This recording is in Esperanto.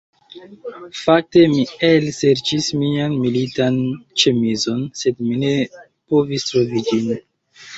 Fakte, mi elserĉis mian militan ĉemizon sed mi ne povis trovi ĝin